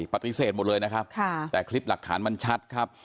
ปฏิเสธหมดเลยนะครับแต่คลิปหลักฐานมันชัดครับ